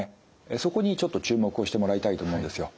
そこにちょっと注目をしてもらいたいと思うんですよ。